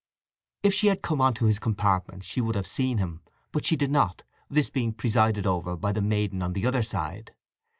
If she had come on to his compartment she would have seen him. But she did not, this being presided over by the maiden on the other side.